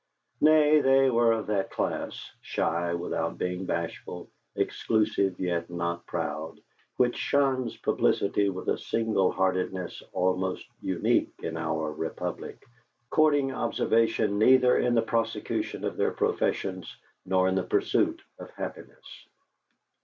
Nay, they were of that class, shy without being bashful, exclusive yet not proud, which shuns publicity with a single heartedness almost unique in our republic, courting observation neither in the prosecution of their professions nor in the pursuit of happiness.